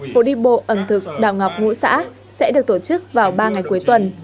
phố đi bộ ẩm thực đào ngọc ngũ xã sẽ được tổ chức vào ba ngày cuối tuần